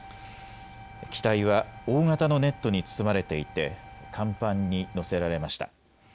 機体は大型のネットに包まれていて甲板に載せられました。